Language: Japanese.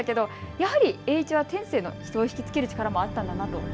やはり栄一は天性の、人を引きつける力もあったんだなと。